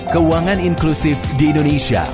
keuangan inklusif di indonesia